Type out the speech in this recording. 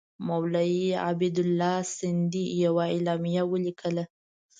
مولوي عبیدالله سندي یوه اعلامیه ولیکله.